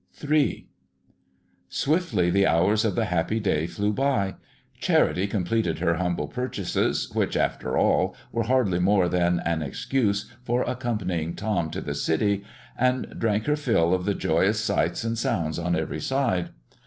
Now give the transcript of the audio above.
III Swiftly the hours of the happy day flew by. Charity completed her humble purchases, which, after all, were hardly more than an excuse for accompanying Tom to the city, and drank her fill of the joyous sights and sounds on every side.